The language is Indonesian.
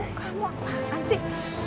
kamu apaan sih